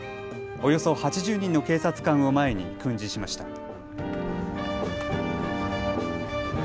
およそ８０人の警察官を前に訓示しました。